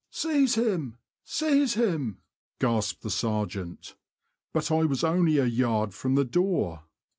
'' Seize him," "seize him," gasped the sergeant — but I was only a yard from the door.